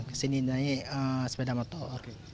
kesini naik sepeda motor